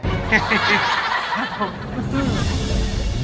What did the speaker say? ครับผม